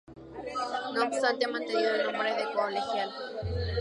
No obstante, ha mantenido el nombre de colegial.